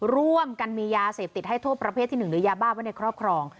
ร่วมกันมียาเสพติดให้โทษประเภทที่๑หรือยาบ้าไว้ในครอบครอง